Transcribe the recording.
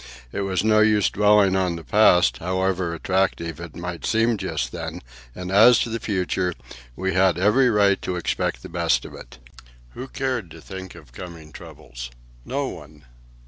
It was no use dwelling on the past, however attractive it might seem just then, and as to the future, we had every right to expect the best of it. Who cared to think of coming troubles? No one.